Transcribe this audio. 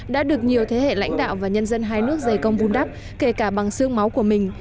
đã được nhiều thế hệ lãnh đạo và nhân dân hai nước dày công vun đắp kể cả bằng xương máu của mình